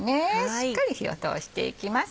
しっかり火を通していきます。